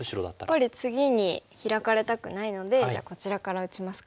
やっぱり次にヒラかれたくないのでじゃあこちらから打ちますか。